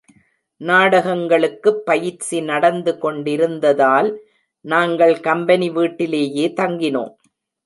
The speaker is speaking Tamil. நாடகங்களுக்குப் பயிற்சி நடந்து கொண்டிருந்ததால் நாங்கள் கம்பெனி வீட்டிலேயே தங்கினோம்.